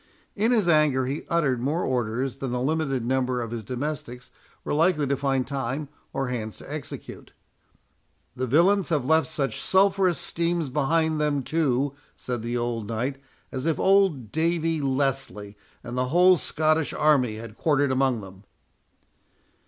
In his anger he uttered more orders than the limited number of his domestics were likely to find time or hands to execute. "The villains have left such sulphureous steams behind them, too," said the old knight, "as if old Davie Leslie and the whole Scottish army had quartered among them."